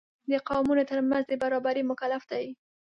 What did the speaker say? د قومونو تر منځ د برابرۍ مکلف دی.